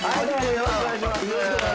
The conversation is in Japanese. よろしくお願いします。